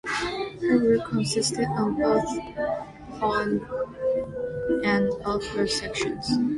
Her route consisted of both on and off-road sections.